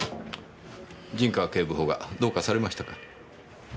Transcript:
陣川警部補がどうかされましたか？